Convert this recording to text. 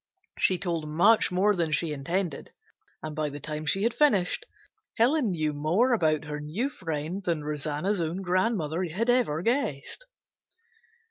She told much more than she intended, and by the time she had finished, Helen knew more about her new friend than Rosanna's own grandmother had ever guessed.